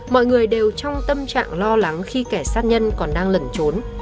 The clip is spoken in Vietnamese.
mọi người đều trong tâm trạng lo lắng khi kẻ sát nhân còn đang lẩn trốn